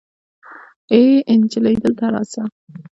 آې انجلۍ دلته راسه